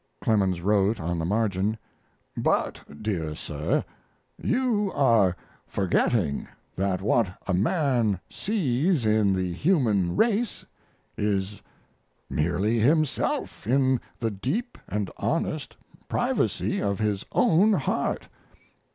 Clemens wrote on the margin: But, dear sir, you are forgetting that what a man sees in the human race is merely himself in the deep and honest privacy of his own heart.